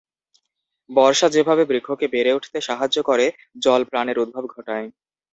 বর্ষা যেভাবে বৃক্ষকে বেড়ে উঠতে সাহায্য করে, জল প্রাণের উদ্ভব ঘটায়।